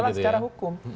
jadi sudah tahu